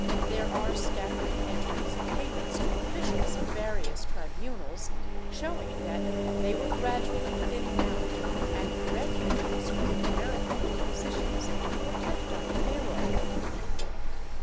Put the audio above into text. There arc scattering entries of payments to officials of various tribunals, showing that they were gradually thinning out, and refugees from the American Inquisitions were kept on the pay roll.